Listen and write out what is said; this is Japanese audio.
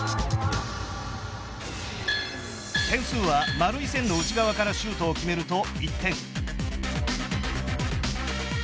点数は丸い線の内側からシュートを決めると１点。